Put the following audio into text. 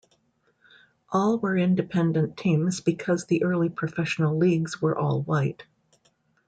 All were independent teams because the early professional leagues were all-white.